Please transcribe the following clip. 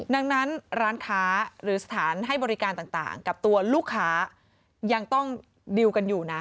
ดังนั้นร้านค้าหรือสถานให้บริการต่างกับตัวลูกค้ายังต้องดิวกันอยู่นะ